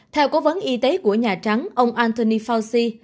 theo cố vấn y tế của nhà trắng ông antony fauci